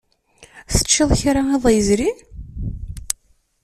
Teččiḍ kra iḍ yezrin?